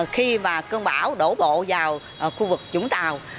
khi mà cơn bão đổ bộ vào khu vực vũng tàu